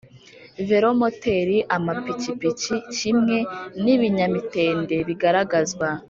velomoteri, Amapikipiki kimwe n’ibinya mitende bigaragazwa